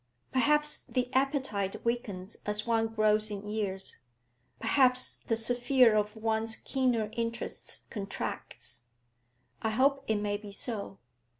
Perhaps the appetite weakens as one grows in years; perhaps the sphere of one's keener interests contracts; I hope it may be so.